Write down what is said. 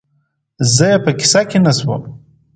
زه یې په قصه کې نه شوم